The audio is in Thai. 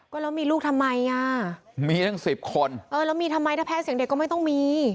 ก็แล้วมีลูกทำไมอ่ะมีตั้งสิบคนเออแล้วมีทำไมถ้าแพ้เสียงเด็กก็ไม่ต้องมี